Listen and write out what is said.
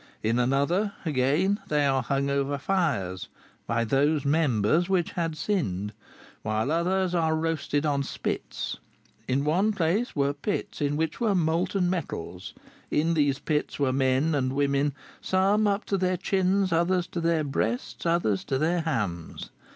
In another, again, they are hung over fires by those members which had sinned, whilst others are roasted on spits. In one place were pits in which were molten metals. In these pits were men and women, some up to their chins, others to their breasts, others to their hams.